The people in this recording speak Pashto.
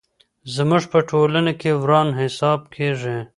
زموږ په ټولنه کي وران حساب کېږي.